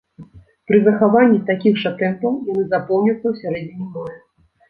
Пры захаванні такіх жа тэмпаў яны запоўняцца ў сярэдзіне мая.